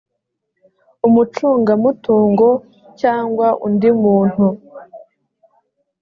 umucungamutungo cyangwa undi muntu